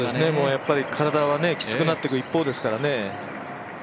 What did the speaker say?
体はきつくなっていく一方ですからね。